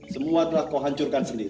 semua telah kau hancurkan sendiri